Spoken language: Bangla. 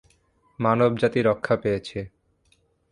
মানবজাতি রক্ষা পেয়েছে।